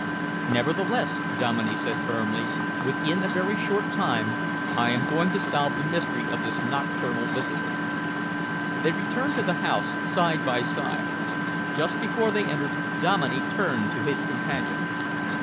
"Nevertheless," Dominey said firmly, "within a very short time I am going to solve the mystery of this nocturnal visitor." They returned to the house, side by side. Just before they entered, Dominey turned to his companion.